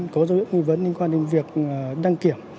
có dấu hiệu nghi vấn liên quan đến việc đăng kiểm